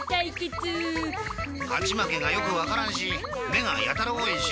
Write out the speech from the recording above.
勝ち負けがよくわからんし「め」がやたら多いし。